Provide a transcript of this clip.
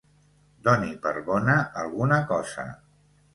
Doni per bona alguna cosa.